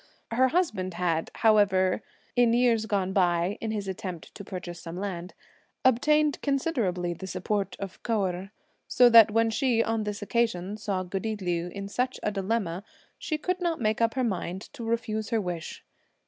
Her husband had, however, in years gone by in his attempt to purchase some land, obtained considerably the support of Kou Erh, so that when she, on this occasion, saw goody Liu in such a dilemma, she could not make up her mind to refuse her wish.